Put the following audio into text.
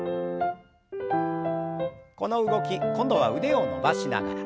この動き今度は腕を伸ばしながら。